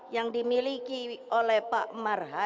yang dimiliki oleh pak marham